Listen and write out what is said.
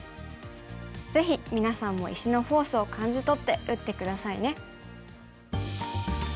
ぜひ皆さんも石のフォースを感じとって打って下さいね。